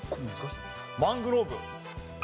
マングローブ。